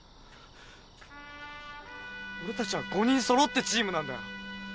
俺たちは５人そろってチームなんだよ。